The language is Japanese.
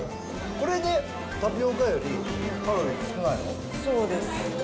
これでタピオカよりカロリー少ないの？